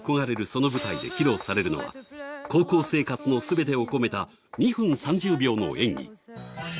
その舞台で披露されるのは高校生活の全てを込めた２分３０秒の演技。